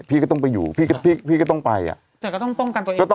พี่ก็ต้องไปอยู่พี่ก็ต้องไปแต่ก็ต้องป้องกันตัวเอง